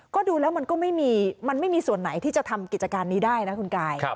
ก็ดูแล้วมันก็ไม่มีมันไม่มีส่วนไหนที่จะทำกิจการนี้ได้นะคุณกาย